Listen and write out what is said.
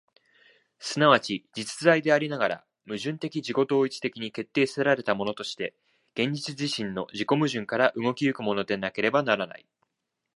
即ち実在でありながら、矛盾的自己同一的に決定せられたものとして、現実自身の自己矛盾から動き行くものでなければならない。